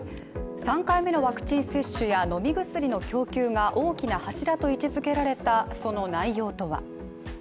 ３回目のワクチン接種や飲み薬の供給が大きな柱と位置付けられたその内容とは。